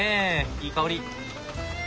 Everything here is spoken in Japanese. いい香り。